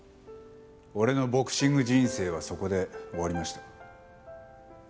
俺のボクシング人生はそこで終わりました。